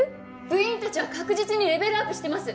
部員たちは確実にレベルアップしてます。